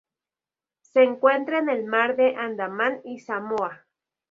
Se encuentra en el Mar de Andaman y Samoa.